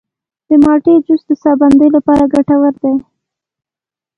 د مالټې جوس د ساه بندۍ لپاره ګټور دی.